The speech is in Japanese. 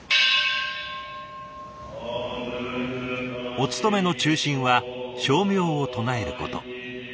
お勤めの中心は声明を唱えること。